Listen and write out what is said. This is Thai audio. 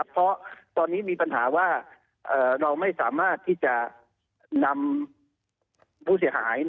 เพราะตอนนี้มีปัญหาว่าเราไม่สามารถที่จะนำผู้เสียหาย